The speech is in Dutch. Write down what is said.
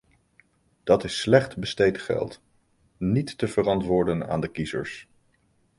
Dat is slecht besteed geld, niet te verantwoorden aan de kiezers.